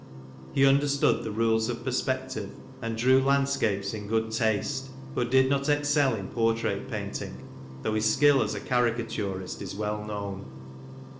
He understood the rules of perspective, and drew land scapes in good taste, but did not excel in portrait painting, though his skill as a caricaturist is well known.